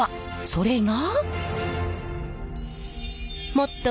それが。